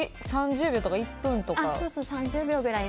３０秒とか１分くらい？